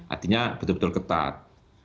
artinya betul betul ketat